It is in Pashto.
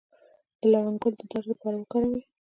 د لونګ ګل د درد لپاره وکاروئ